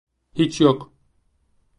Hiç yok.